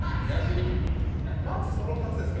まずその２つですか？